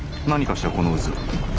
何かしらこの渦。